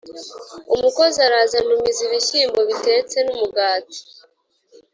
umukozi araza ntumiza ibishyimbo bitetse numugati